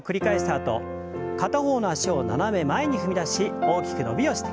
あと片方の脚を斜め前に踏み出し大きく伸びをして。